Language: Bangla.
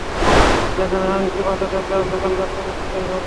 যেখানে আংটিটা পাঠাতে চাও, সেখানকার ছবি তুললেই হবে।